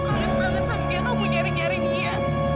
kamu kangen kangen sama dia kamu nyari nyari dia